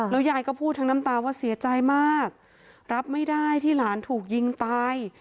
ยายก็พูดทั้งน้ำตาว่าเสียใจมากรับไม่ได้ที่หลานถูกยิงตาย